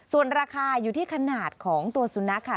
ส่วนราคาอยู่ที่ขนาดของตัวสุนัขค่ะ